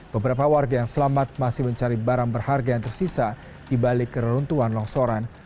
beberapa warga yang selamat masih mencari barang berharga yang tersisa di balik keruntuhan longsoran